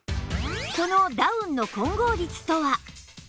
そのダウンの混合率とは？